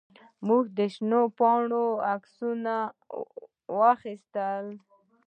موږ د شنو پاڼو عکسونه واخیستل.